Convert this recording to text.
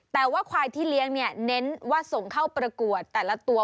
แต่ว่าควายที่เลี้ยงเนี่ยเน้นว่าส่งเข้าประกวดแต่ละตัว